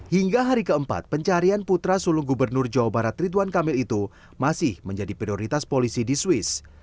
hingga hari keempat pencarian putra sulung gubernur jawa barat ridwan kamil itu masih menjadi prioritas polisi di swiss